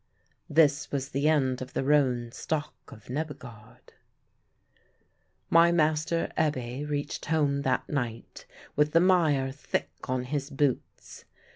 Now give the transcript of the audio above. This was the end of the roan stock of Nebbegaard. My master Ebbe reached home that night with the mire thick on his boots.